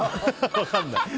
分かんない。